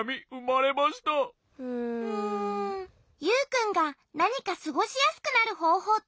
ユウくんがなにかすごしやすくなるほうほうってないのかな？